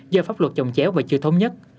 do pháp luật chồng chéo và chưa thống nhất